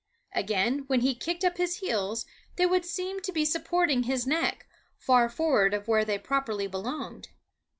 Again, when he kicked up his heels, they would seem to be supporting his neck, far forward of where they properly belonged.